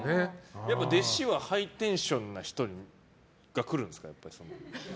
弟子はハイテンションな人が来るんですか？